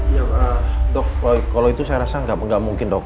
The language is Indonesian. iya pak dok kalau itu saya rasa enggak mungkin dok